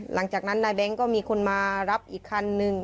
หลังจากนั้นนายแบงค์ก็มีคนมารับอีกคันนึง